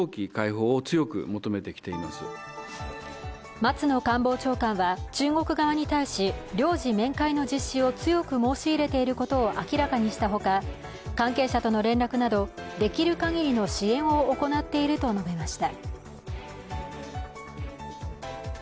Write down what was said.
松野官房長官は、中国側に対し領事面会の実施を強く申し入れていることを明らかにしたほか関係者との連絡など、できるかぎりの支援を行っていると述べました。